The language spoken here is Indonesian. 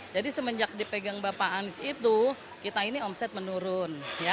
jadi semenjak dipegang bapak anis itu kita ini omset menurun